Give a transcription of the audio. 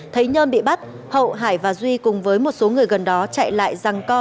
thấy nhơn bị bắt hậu hải và duy cùng với một số người gần đó chạy lại răng co